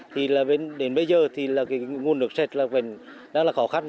thì đến bây giờ thì nguồn nước sạch đang là khó khăn